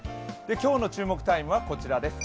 今日の注目タイムはこちらです。